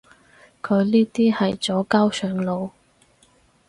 佢呢啲係左膠上腦